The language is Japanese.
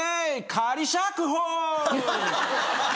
仮釈放！